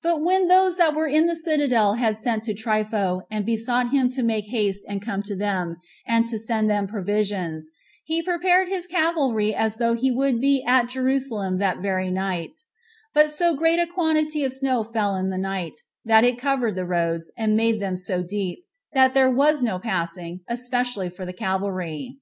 6. But when those that were in the citadel had sent to Trypho, and besought him to make haste and come to them, and to send them provisions, he prepared his cavalry as though he would be at Jerusalem that very night; but so great a quantity of snow fell in the night, that it covered the roads, and made them so deep, that there was no passing, especially for the cavalry.